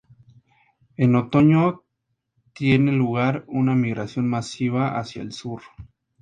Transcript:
En otoño tiene lugar una migración masiva hacia el sur.